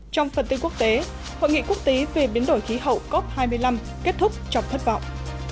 trong phần tin quốc tế hội nghị quốc tế về biến đổi khí hậu cop hai mươi năm kết thúc trong thất vọng